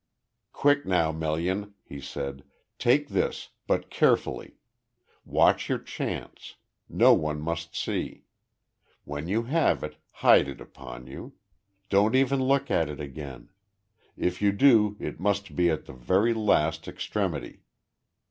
"Quick, now, Melian," he said. "Take this, but carefully. Watch your chance. No one must see. When you have it, hide it upon you. Don't even look at it again. If you do, it must be at the very last extremity.